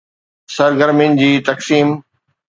سرگرمين جي تقسيم